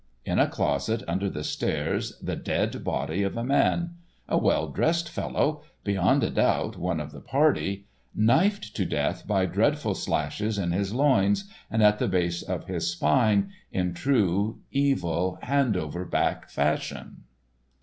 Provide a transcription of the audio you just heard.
In a closet under the stairs the dead body of a man, a well dressed fellow—beyond a doubt one of the party—knifed to death by dreadful slashes in his loins and at the base of his spine in true evil hand over back fashion.